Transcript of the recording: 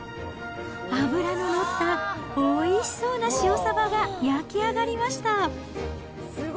脂の乗ったおいしそうな塩サバが焼き上がりました。